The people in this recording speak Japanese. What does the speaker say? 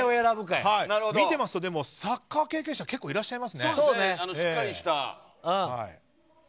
見てますとサッカー経験者結構いらっしゃいますね。